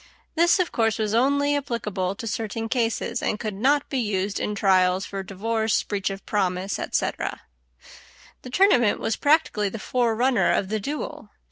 This, of course, was only applicable to certain cases, and could not be used in trials for divorce, breach of promise, etc. The tournament was practically the forerunner of the duel.